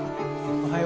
おはよう。